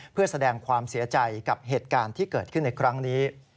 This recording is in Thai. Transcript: เพื่อแสดงความเสียใจกับเหตุการณ์ที่เกิดขึ้นในครั้งนี้